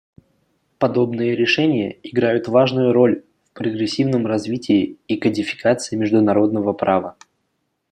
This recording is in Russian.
Подобные решения играют важную роль в прогрессивном развитии и кодификации международного права.